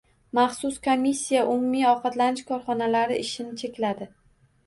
Maxsus komissiya umumiy ovqatlanish korxonalari ishini chekladi.